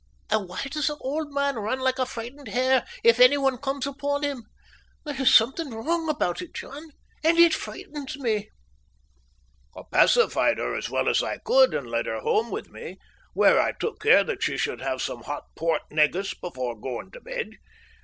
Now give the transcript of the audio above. And why does the old man run like a frightened hare if any one comes upon him. There is something wrong about it, John, and it frightens me." I pacified her as well as I could, and led her home with me, where I took care that she should have some hot port negus before going to bed.